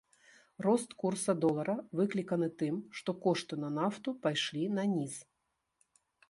Рост курса долара выкліканы тым, што кошты на нафту пайшлі наніз.